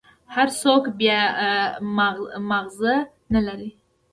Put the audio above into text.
هر سوك بيا مازغه نلري.